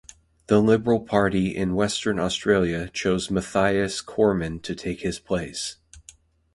The Liberal Party in Western Australia chose Mathias Cormann to take his place.